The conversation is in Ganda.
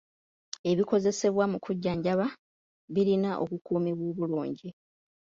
Ebikozesebwa mu kujjanjaba birina okukuumibwa obulungi